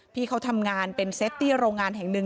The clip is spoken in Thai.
พี่เขาทำงานเป็นเซฟตี้โรงงานแห่งหนึ่ง